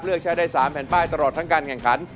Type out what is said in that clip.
เลือกใช้ได้๓แผ่นป้ายตลอดทั้งการแข่งขัน